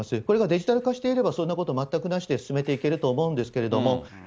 これがデジタル化していれば、そんなこと全くなしで進めていけると思うんですけど。